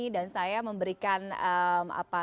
dan saya memberikan santunan kepada anak anak